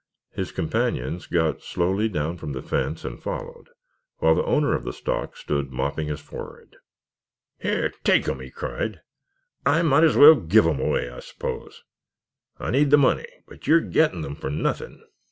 His companions got slowly down from the fence and followed, while the owner of the stock stood mopping his forehead. "Here, take 'em!" he cried. "I might as well give them away, I suppose. I need the money, but you're getting them for nothing."